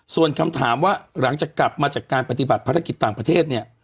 ส่วนคำถามว่าหลังจากกลับมาจากการปฏิบัติภารกิจต่างประเทศเนี่ย